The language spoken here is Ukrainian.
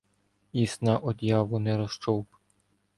І сна од яву не розчовп: